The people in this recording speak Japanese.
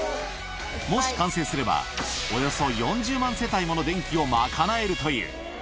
もし完成すれば、およそ４０万世帯もの電気を賄えるという。